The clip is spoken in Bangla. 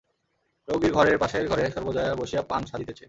রোগীর ঘরের পাশের ঘরে সর্বজয়া বসিয়া পান সাজিতেছে।